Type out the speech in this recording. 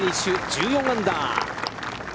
１４アンダー。